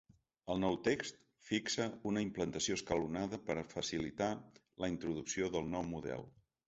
El nou text fixa una implantació escalonada per facilitar la introducció del nou model.